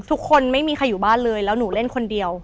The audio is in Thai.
ไม่มีใครอยู่บ้านเลยแล้วหนูเล่นคนเดียว